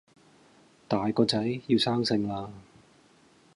大個仔，要生性啦